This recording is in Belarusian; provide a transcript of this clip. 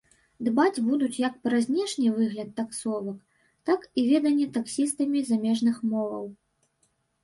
Дбаць будуць як пра знешні выгляд таксовак, так і веданне таксістамі замежных моваў.